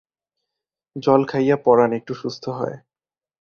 জল খাইয়া পরান একটু সুস্থ হয়।